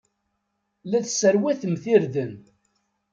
La tesserwatemt irden.